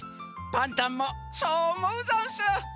パンタンもそうおもうざんす。